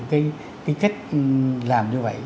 cái cách làm như vậy